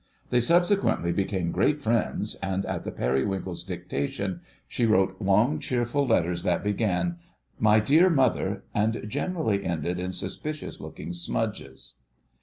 They subsequently became great friends, and at the Periwinkle's dictation she wrote long cheerful letters that began: "My dear Mother," and generally ended in suspicious looking smudges.